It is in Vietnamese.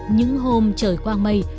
những hôm trời quang mây